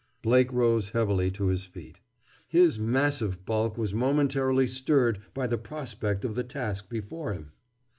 Blake rose heavily to his feet. His massive bulk was momentarily stirred by the prospect of the task before him.